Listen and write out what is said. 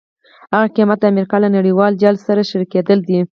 هغه قیمت د امریکا له نړیوال جال سره شریکېدل دي.